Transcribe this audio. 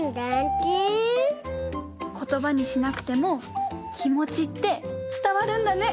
ことばにしなくてもきもちってつたわるんだね！